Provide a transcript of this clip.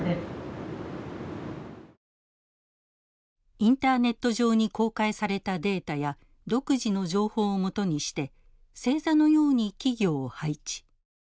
インターネット上に公開されたデータや独自の情報をもとにして星座のように企業を配置。